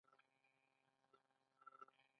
دوی جایزې او مرستې ورکوي.